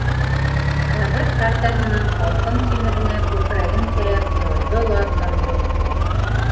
Ҡәбер кәртәһенең һалҡын тимеренә күкрәген терәп, торҙо ла торҙо.